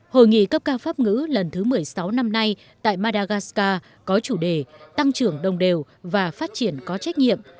hội nghị cấp cao pháp ngữ lần thứ một mươi sáu năm nay tại madagascar có chủ đề tăng trưởng đồng đều và phát triển có trách nhiệm